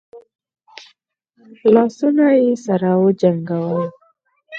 لاسونه يې سره وجنګول.